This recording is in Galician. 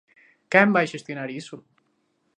¿Quen vai xestionar iso?